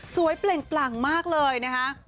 เปล่งปลั่งมากเลยนะคะ